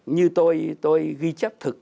như tôi ghi chấp thực